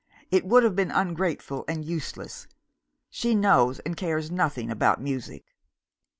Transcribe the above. It would have been ungrateful and useless. She knows and cares nothing about music.